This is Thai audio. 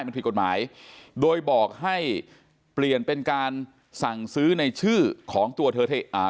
มันผิดกฎหมายโดยบอกให้เปลี่ยนเป็นการสั่งซื้อในชื่อของตัวเธออ่า